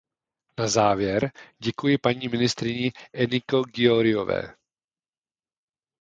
Na závěr děkuji paní ministryni Enikő Győriové.